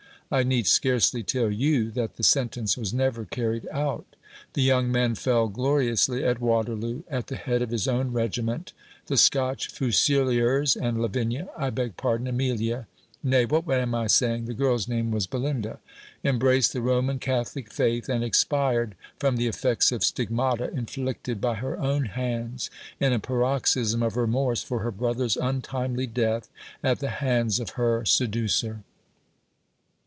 I need scarcely tell you that the sentence was never carried out. The young man fell gloriously at Waterloo, at the head of his own regiment, the Scotch Fusiliers, and Lavinia I beg pardon, Amelia; nay, what am I saying? the girl's name was Belinda embraced the Roman Catholic faith, and expired from the effects of stigmata inflicted by her own hands in a paroxysm of remorse for her brother's untimely death at the hands of her seducer."